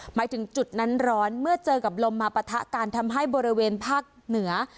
หมายถึงจุดนั้นร้อนเมื่อเจอกับลมมาปะทะกันทำให้บริเวณภาคเหนือ